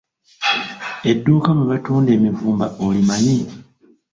Edduuka mwe batunda emivumba olimanyi?